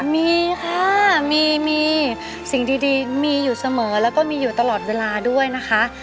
มีค่ะมีสิ่งดีมีอยู่เสมอแล้วก็มีอยู่ตลอดเวลาด้วยนะคะ